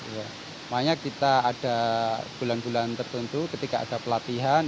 makanya kita ada bulan bulan tertentu ketika ada pelatihan